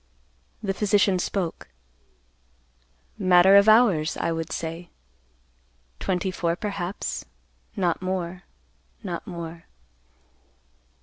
The physician spoke, "Matter of hours, I would say. Twenty four, perhaps; not more; not more."